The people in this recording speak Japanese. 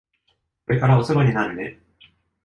これからお世話になるね。